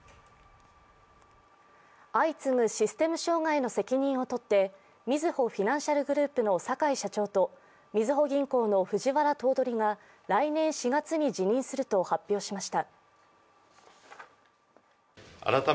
相次ぐシステム障害の責任を取ってみずほフィナンシャルグループの坂井社長とみずほ銀行の藤原頭取が来年４月に辞任すると発表しました。